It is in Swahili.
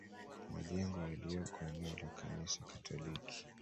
Majengo yaliyoko eneo la Kanisa Katoliki